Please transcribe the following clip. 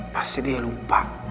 pasti dia lupa